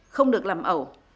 không được làm ẩu